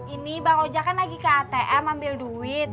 ini bang oja kan lagi ke atm ambil duit